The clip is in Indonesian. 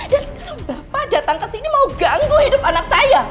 dan sekarang bapak datang kesini mau ganggu hidup anak saya